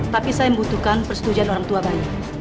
tapi saya membutuhkan persetujuan orang tua bayi